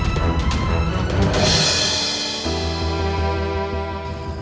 itu ide bagus